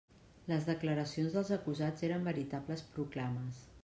Les declaracions dels acusats eren veritables proclames.